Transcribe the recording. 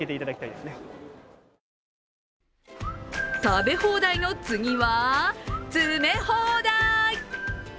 食べ放題の次は詰め放題！